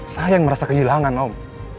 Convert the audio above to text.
saya yang merasa kehilangan om